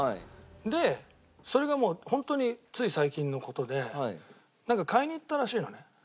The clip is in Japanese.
でそれがもう本当につい最近の事でなんか買いに行ったらしいのね。